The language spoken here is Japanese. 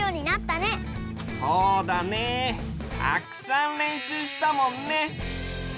たくさんれんしゅうしたもんね。